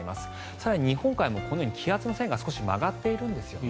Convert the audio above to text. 更に、日本海もこのように気圧の線が少し曲がっているんですよね。